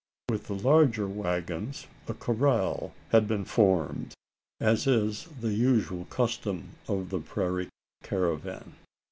With the larger waggons, a "corral" had been formed as is the usual custom of the prairie caravan.